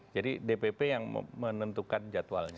jadi dpp yang menentukan jadwalnya